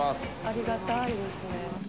「ありがたいですね」